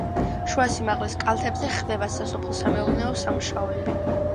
შუა სიმაღლის კალთებზე ხდება სასოფლო-სამეურნეო სამუშაოები.